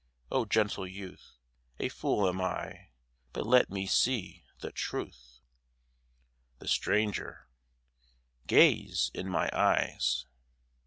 O gentle youth, A fool am I, but let me see the Truth! THE STRANGER Gaze in my eyes.